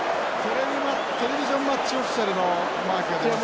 テレビジョン・マッチ・オフィシャルのマークが出ましたね。